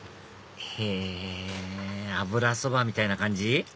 へぇ油そばみたいな感じ？